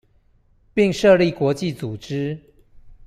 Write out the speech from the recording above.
並設立國際組織